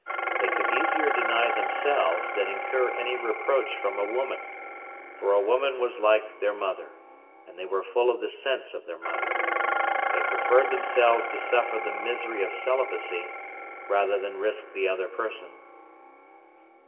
They could easier deny themselves than incur any reproach from a woman; for a woman was like their mother, and they were full of the sense of their mother. They preferred themselves to suffer the misery of celibacy, rather than risk the other person.